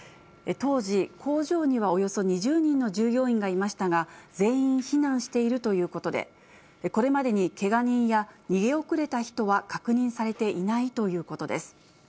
当時、工場にはおよそ２０人の従業員がいましたが、全員避難しているということで、これまでにけが人や逃げ遅れた人は確認されていないということです。